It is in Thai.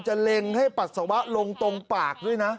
เล็งให้ปัสสาวะลงตรงปากด้วยนะ